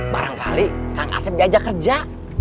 barangkali kang asep diajak kerja